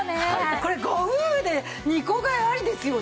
これご夫婦で２個買いありですよね。